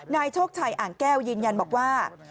นายโชคชัยอ่างแก้วยืนยันบอกว่า